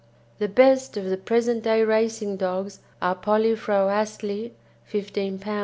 The best of the present day racing dogs are Polly fro' Astley (15 lbs.)